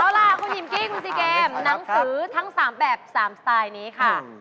เอาล่ะคุณหญิงกิ้งคุณซีเกมหนังสือทั้ง๓แบบ๓สไตล์นี้ค่ะ